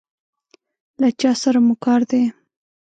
له چا سره مو کار دی؟